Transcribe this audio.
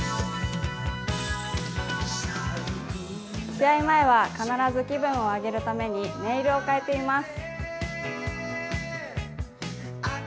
試合前は、必ず気分を上げるためにネイルを変えています。